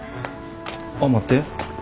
あっ待って。